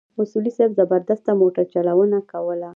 اصولي صیب زبردسته موټرچلونه کوله.